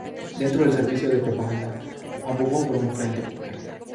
Dentro del servicio de propaganda, abogó por un frente popular.